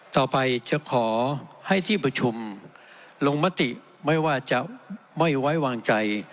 ต่อไปจะขอให้ที่ประชุมลงมติไม่ว่าจะไม่ไว้วางใจ